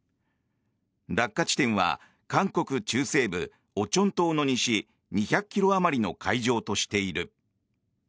落下地点は韓国中西部オチョン島の西２００ｋｍあまりの海上としている。